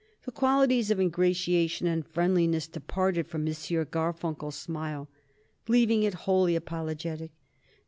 The qualities of ingratiation and friendliness departed from M. Garfunkel's smile, leaving it wholly apologetic.